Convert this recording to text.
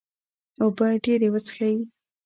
اوبه ډیرې وڅښئ